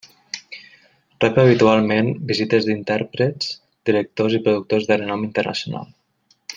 Rep habitualment visites d'intèrprets, directors i productors de renom internacional.